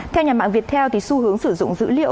theo nhà mạng viettel thì xu hướng sử dụng dữ liệu